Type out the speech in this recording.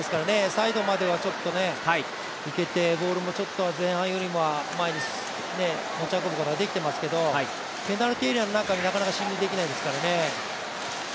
サイドまでは行けてボールもちょっと前半よりは前に持ち運ぶことができていますけれども、ペナルティーエリアの中になかなか進入できないですからね。